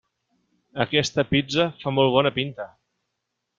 Aquesta pizza fa molt bona pinta.